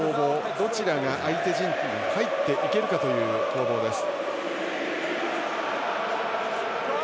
どちらが相手陣地に入っていけるかという攻防です。